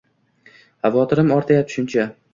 Havotirim ortyapti shuncha